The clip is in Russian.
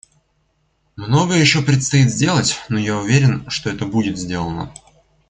Многое еще предстоит сделать, но я уверен, что это будет сделано.